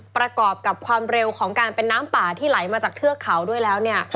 ประกอบกับความเร็วของการเป็นน้ำป่าที่ไหลมาจากเทือกเขาด้วยแล้วเนี่ย